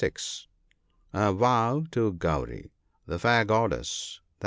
A vow to Gauri. — "The fair goddess," i.